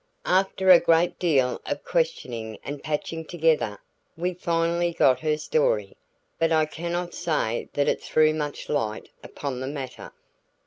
After a great deal of questioning and patching together, we finally got her story, but I cannot say that it threw much light upon the matter.